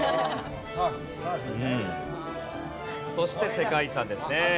そして世界遺産ですね。